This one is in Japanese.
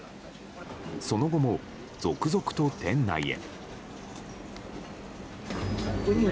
その後も、続々と店内へ。